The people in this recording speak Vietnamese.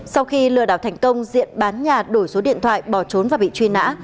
sau khi lừa đảo thành công diện bán nhà đổi số điện thoại bỏ trốn và bị truy nã